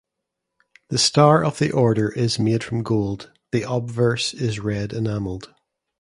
The star of the Order is made from gold, the obverse is red enameled.